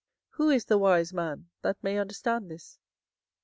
24:009:012 Who is the wise man, that may understand this?